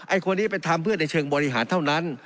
คนนี้ไปทำเพื่อในเชิงบริหารเท่านั้น